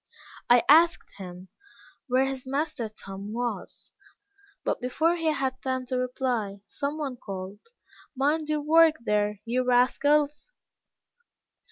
I asked him where his master Tom was; but before he had time to reply, same one called "Mind your work there, you rascals."